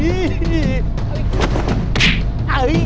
อุ๊ย